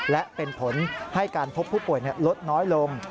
และเป็นผลให้การพบผู้ป่วยลดน้อยลง